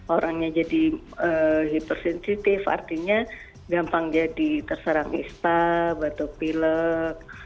orangnya jadi hypersensitif artinya gampang jadi terserang ispa batuk pilek